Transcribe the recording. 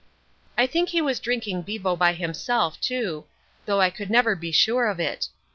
I think he was drinking bevo by himself, too, though I could never be sure of it.